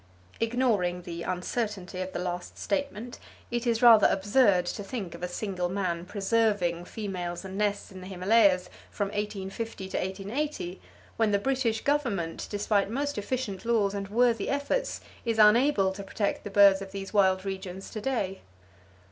Ignoring the uncertainty of the last statement, it is rather absurd to think of a single man "preserving" females and nests in the Himalayas from 1850 to 1880, when the British Government, despite most efficient laws and worthy efforts is unable to protect the birds of these wild regions to day.